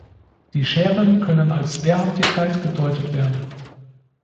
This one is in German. Die Scheren können als Wehrhaftigkeit gedeutet werden.